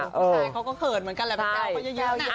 ใช่เขาก็เขินเหมือนกันแหละมันแซวไปเยอะน่ะ